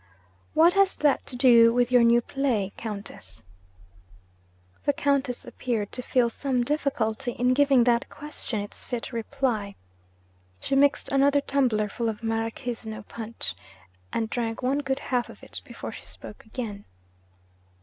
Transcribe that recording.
'What has that to do with your new play, Countess?' The Countess appeared to feel some difficulty in giving that question its fit reply. She mixed another tumbler full of maraschino punch, and drank one good half of it before she spoke again.